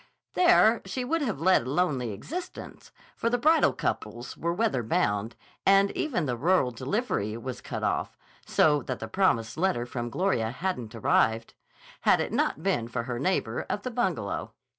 There she would have led a lonely existence, for the bridal couples were weather bound, and even the rural delivery was cut off (so that the promised letter from Gloria hadn't arrived), had it not been for her neighbor of the Bungalow.